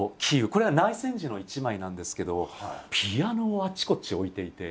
これは内戦時の一枚なんですけどピアノをあちこち置いていて。